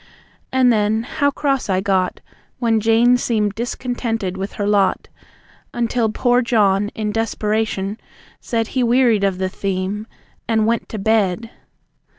And then, how cross I got When Jane seemed discontented with her lot. Until poor John in desperation said He wearied of the theme and went to bed!